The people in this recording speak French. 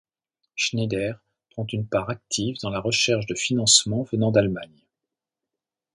Schneider prend une part active dans la recherche de financements venant d'Allemagne.